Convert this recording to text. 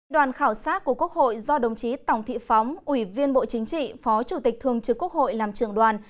đoàn khảo sát của quốc hội do đồng chí tòng thị phóng ủy viên bộ chính trị phó chủ tịch thương trực quốc hội làm trưởng đoàn